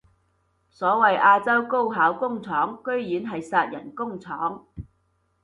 所謂亞洲高考工廠居然係殺人工廠